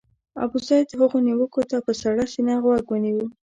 ابوزید هغو نیوکو ته په سړه سینه غوږ ونیو.